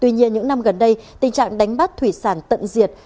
tuy nhiên những năm gần đây tình trạng đánh bắt thủy sản tận diệt